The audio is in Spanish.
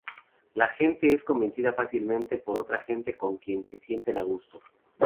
La gente es convencida fácilmente por otra gente con quien se sienten a gusto.